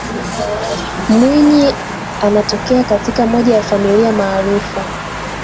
Mwinyi anatokea katika moja ya familia maarufu